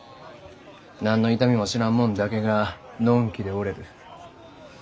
何の痛みも知らん者だけがのんきでおれる。